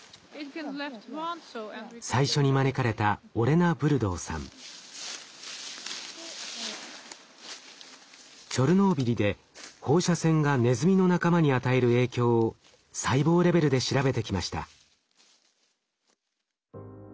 最初に招かれたチョルノービリで放射線がネズミの仲間に与える影響を細胞レベルで調べてきました。